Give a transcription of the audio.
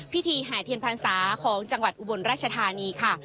แห่เทียนพรรษาของจังหวัดอุบลราชธานีค่ะ